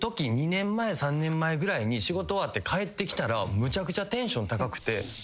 ２年前３年前ぐらいに仕事終わって帰ってきたらむちゃくちゃテンション高くて。